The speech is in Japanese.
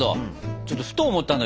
ちょっとふと思ったんだけどさ